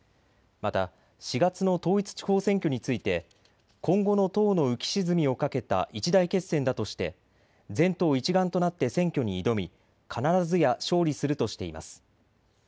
また４月の統一地方選挙について、今後の党の浮き沈みをかけた一大決戦だとして全党一丸となって選挙に挑み必ずや勝利するとしています。